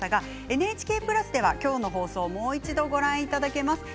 ＮＨＫプラスでは今日の放送を、もう一度ご覧いただけます。